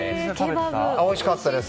おいしかったです。